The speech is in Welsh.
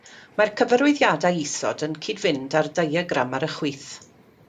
Mae'r cyfarwyddiadau isod yn cyd-fynd â'r diagram ar y chwith.